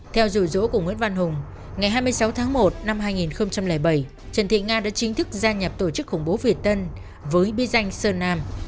theo rủi rỗ của nguyễn văn hùng ngày hai mươi sáu tháng một năm hai nghìn bảy trần thị nga đã chính thức gia nhập tổ chức khủng bố việt tân với bí danh sơn nam